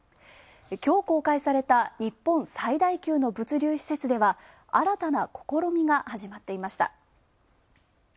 きょう公開された日本最大級の物流施設では新たな試みが始まっていました。